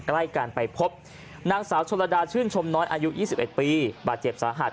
ใกล้กันไปพบนางสาวชนระดาชื่นชมน้อยอายุ๒๑ปีบาดเจ็บสาหัส